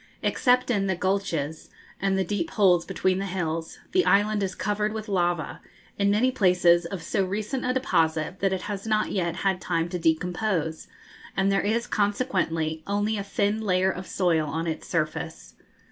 Except in the 'gulches' and the deep holes between the hills, the island is covered with lava, in many places of so recent a deposit that it has not yet had time to decompose, and there is consequently only a thin layer of soil on its surface.